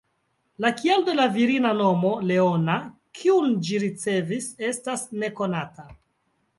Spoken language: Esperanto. La kialo de la virina nomo, ""Leona"", kiun ĝi ricevis, estas nekonata.